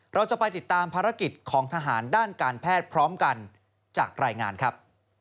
เราจะไปติดตามภารกิจของทหารด้านการแพทย์พร้อมกันจากรายงานครับ